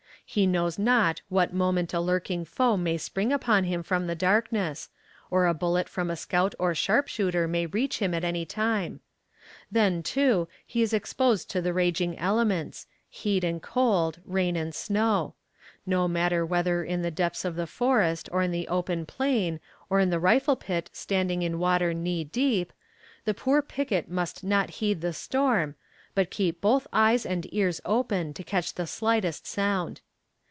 He knows not what moment a lurking foe may spring upon him from the darkness, or a bullet from a scout or sharpshooter may reach him at any time. Then, too, he is exposed to the raging elements heat and cold, rain and snow; no matter whether in the depths of the forest, or in the open plain, or in the rifle pit standing in water knee deep, the poor picket must not heed the storm, but keep both eyes and ears open to catch the slightest sound.